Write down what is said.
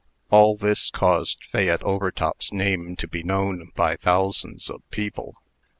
All this caused Fayette Overtop's name to be known by thousands of people.